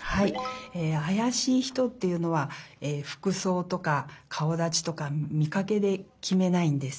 はいあやしい人っていうのはふくそうとかかおだちとかみかけできめないんです。